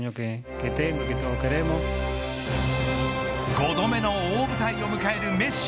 ５度目の大舞台を迎えるメッシ。